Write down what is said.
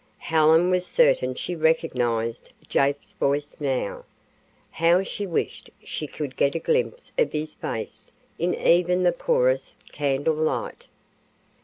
Helen was certain she recognized Jake's voice now. How she wished she could get a glimpse of his face in even the poorest candle light.